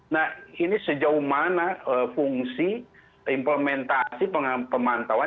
nah ini sejauh mana fungsi implementasi pemantauan